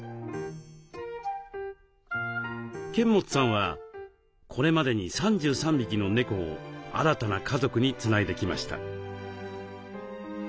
剱持さんはこれまでに３３匹の猫を新たな家族につないできました。